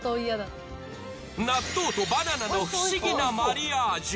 納豆とバナナの不思議なマリアージュ